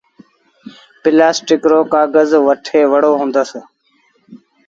پلآسٽڪ رو ڪآگز وٺي وُهڙو هُندس۔